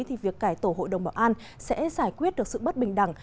thì việc cải tổ hội đồng bảo an sẽ giải quyết được sự bất bình đẳng